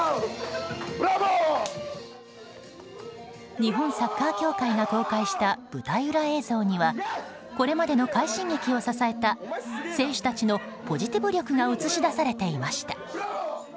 日本サッカー協会が公開した舞台裏映像にはこれまでの快進撃を支えた選手たちのポジティブ力が映し出されていました。